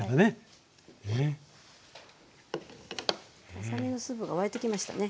ささ身のスープが沸いてきましたね。